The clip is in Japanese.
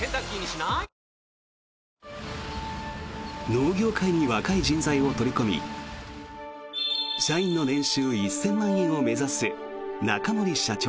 農業界に若い人材を取り込み社員の年収１０００万円を目指す中森社長。